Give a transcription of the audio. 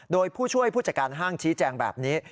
โดยผู้ช่วยผู้จัดการห้างชี้แจงแบบนี้